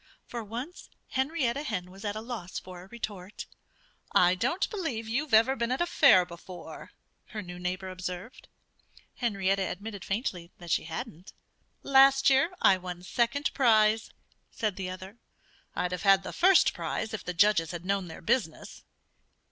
For once Henrietta Hen was at a loss for a retort. "I don't believe you've ever been at a fair before," her new neighbor observed. Henrietta admitted faintly that she hadn't. "Last year I won second prize," said the other. "I'd have had the first if the judges had known their business."